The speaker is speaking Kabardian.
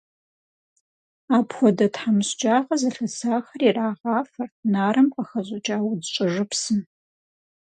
Апхуэдэ тхьэмыщкӏагъэ зылъысахэр ирагъафэрт нарым къыхэщӏыкӏа удз щӏэжыпсым.